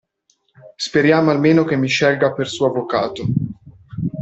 Speriamo almeno che mi scelga per suo avvocato!